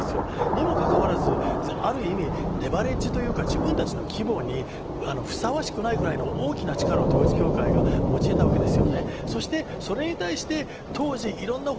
にもかかわらず、ある意味、レバレッジというか自分たちの規模にふさわしくないぐらいの大きな力を統一教会が持ち得たわけです。